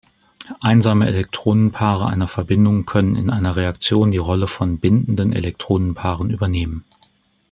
Einsame Elektronenpaare einer Verbindung können in einer Reaktion die Rolle von bindenden Elektronenpaaren übernehmen.